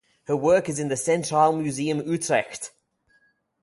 Her work is in the Centraal Museum Utrecht.